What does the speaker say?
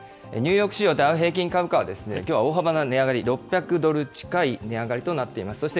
ニューヨーク市場、ダウ平均株価は、きょうは大幅な値上がり、６００ドル近い値上がりとなっています。